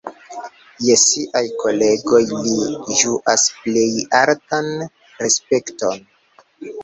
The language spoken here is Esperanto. Je siaj kolegoj li ĝuas plej altan respekton.